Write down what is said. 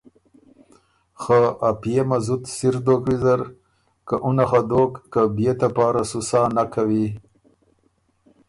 خه ا پئے مه زُت سِر دوک ویزرکه اُنه خه دوک که بيې ته پاره سو سا نک کوی